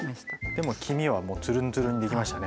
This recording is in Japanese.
でも黄身はもうツルンツルンにできましたね。